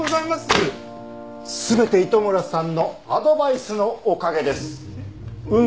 全て糸村さんのアドバイスのおかげです。